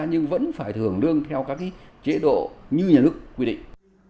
nhưng vẫn phải thưởng lương theo các chế độ như nhà nước quy định